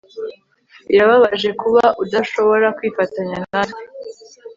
Birababaje kuba udashobora kwifatanya natwe